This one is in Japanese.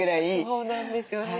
そうなんですよね。